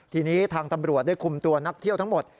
ทีนี้ทางตำรวจได้คุมตัวนักเที่ยวทั้งหมด